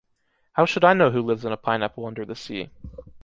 How should I know who lives in a pineapple under in the sea?